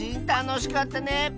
たのしかったね！